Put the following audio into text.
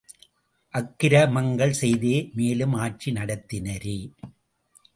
அக்கிர மங்கள்செய்தே மேலும் ஆட்சி நடத்தினரே!